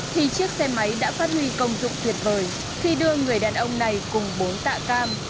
thì chiếc xe máy đã phát huy công dụng tuyệt vời khi đưa người đàn ông này cùng bốn tạ cam